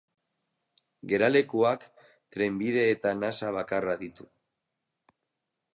Geralekuak trenbide eta nasa bakarra ditu.